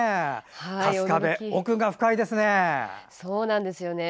春日部、奥が深いですね。